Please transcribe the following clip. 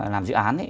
làm dự án ấy